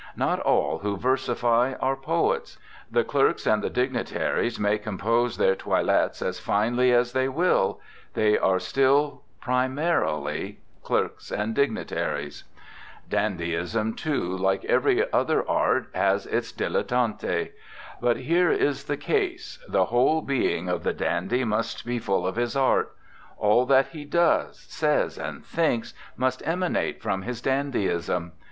Not all who versify are poets. The clerks and the dignitaries may compose their toilettes as finely as they will; they are still primarily clerks and dignitaries. FRANZ BLEI Dandyism, too, like every other art, has its dilettanti. But here is the case: the whole being of the dandy must be full of his art ; all that he does, says, and thinks, must emanate from his dandyism.